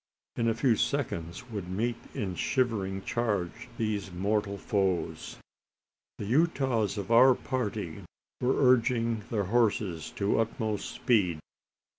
In a few seconds would meet in shivering charge these mortal foes. The Utahs of our party were urging their horses to utmost speed.